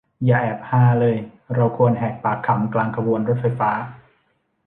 อย่าแอบฮาเลย เราควรแหกปากขำกลางขบวนรถไฟฟ้า